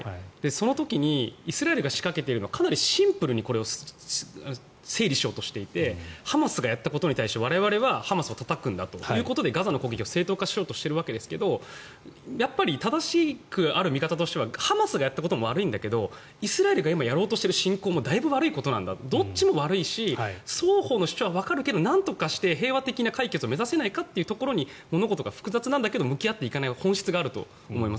その時にイスラエルが仕掛けているのはかなりシンプルに整理しようとしていてハマスがやったことに対して我々はハマスをたたくんだと言ってガザの攻撃を正当化しようとしているわけですがやっぱり正しくある見方としてはハマスのやったことも悪いんだけどイスラエルが今やろうとしている侵攻もだいぶ悪いことなんだどっちも悪いし双方の主張はわかるけどなんとかして平和的な解決を目指せないかというところに物事が複雑なんだけど向き合っていかなきゃいけない本質があると思います。